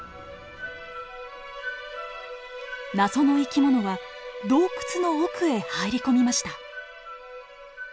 謎の生き物は洞窟の奥へ入り込みました。